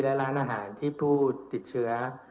และร้านอาหารที่ผู้ติดเชื้อ